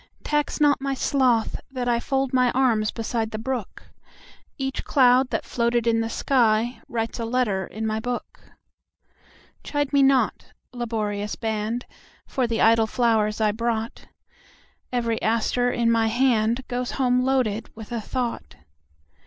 Tax not my sloth that IFold my arms beside the brook; Each cloud that floated in the skyWrites a letter in my book. Chide me not, laborious band, For the idle flowers I brought; Every aster in my handGoes home loaded with a thought.